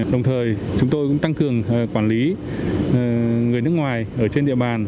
đồng thời chúng tôi cũng tăng cường quản lý người nước ngoài ở trên địa bàn